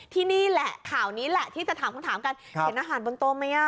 นี่แหละข่าวนี้แหละที่จะถามคำถามกันเห็นอาหารบนโต๊ะไหม